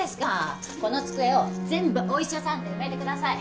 この机を全部お医者さんで埋めてください。